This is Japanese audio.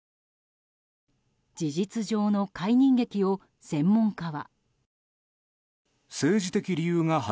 事実上の解任劇を専門家は。